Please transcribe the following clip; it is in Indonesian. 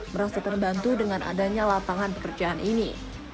merasa terbantu dengan adanya lapangan pekerjaan ini